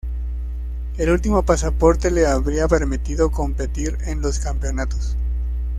El último pasaporte le habría permitido competir en los campeonatos.